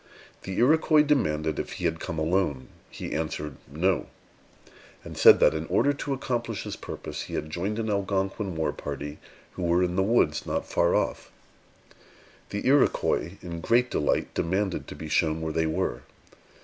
The Iroquois demanded if he had come alone. He answered, "No," and said, that, in order to accomplish his purpose, he had joined an Algonquin war party who were in the woods not far off. The Iroquois, in great delight, demanded to be shown where they were.